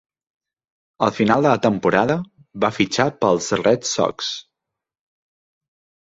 Al final de la temporada, va fitxar pels Red Sox.